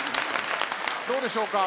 どうでしょうか？